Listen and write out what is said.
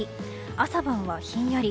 朝晩はひんやり